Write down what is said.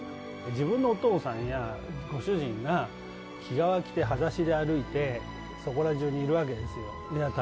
自分のお父さんやご主人が毛皮着て裸足で歩いてそこら中にいるわけですよ。